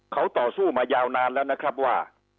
เขาต่อสู้มายาวนานแล้วนะครับว่า